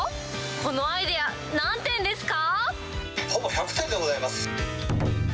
このアイデア、何点ですか？